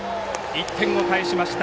１点を返しました